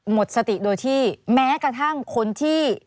หมดสติโดยที่แม้กระทั่งคนที่